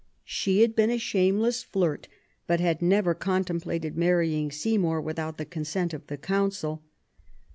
She had been a shameless flirt, but had never contemplated marry ing Seymour without the consent of the Council.